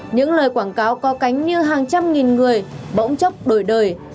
những lời quảng cáo có cánh như hàng trăm nghìn người bỗng chốc đổi đời